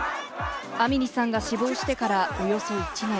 アミニさんが死亡してからおよそ１年。